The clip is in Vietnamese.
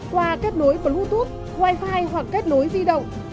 qua kết nối bluetooth wifi hoặc kết nối di động